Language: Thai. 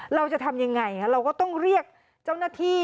เราจะทำยังไงเราก็ต้องเรียกเจ้าหน้าที่